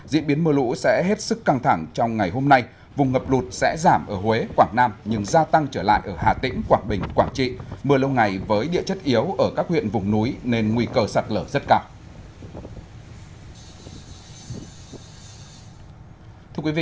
diễn biến mưa lũ sẽ hết sức căng thẳng trong ngày hôm nay vùng ngập lụt sẽ giảm ở huế quảng nam nhưng gia tăng trở lại ở hà tĩnh quảng bình quảng trị mưa lâu ngày với địa chất yếu ở các huyện vùng núi nên nguy cơ sạt lở rất cao